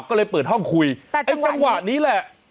ก็เลยเปิดห้องคุยแต่ไอ้จังหวะนี้แหละ